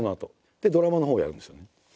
でドラマのほうをやるんですよ。